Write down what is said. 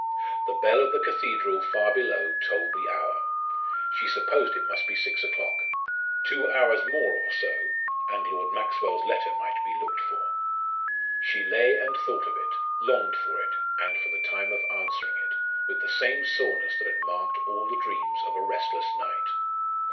The bell of the cathedral far below tolled the hour. She supposed it must be six o'clock. Two hours more or so, and Lord Maxwell's letter might be looked for. She lay and thought of it longed for it, and for the time of answering it, with the same soreness that had marked all the dreams of a restless night.